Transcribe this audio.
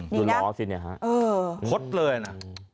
ดูล้อสิเนี่ยฮะคดเลยนะ